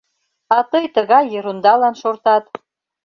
А тый тыгай ерундалан шортат.